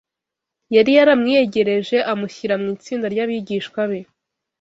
yari yaramwiyegereje, amushyira mu itsinda ry’abigishwa be